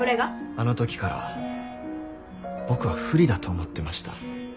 あの時から僕は不利だと思ってました。